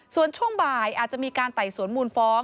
ส่วนช่วงบ่ายอาจจะมีการไต่สวนมูลฟ้อง